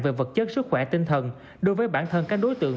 về vật chất sức khỏe tinh thần đối với bản thân các đối tượng